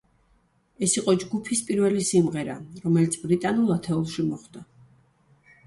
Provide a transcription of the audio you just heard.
ეს იყო ჯგუფის პირველი სიმღერა, რომელიც ბრიტანულ ათეულში მოხვდა.